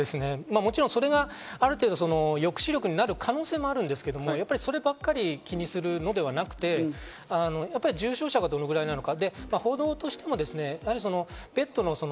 もちろんそれがある程度、抑止力になる可能性もあるんですけど、そればっかり気にするのではなくて、重症者がどのくらいなのか。